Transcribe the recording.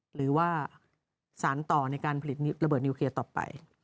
หรือว่าสารต่อในการผลิตระเบิดนิวเคลียร์ต่อไป